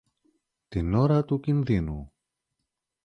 την ώρα του κινδύνου.